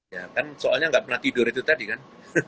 ya kan soalnya nggak pernah tidur itu tadi kan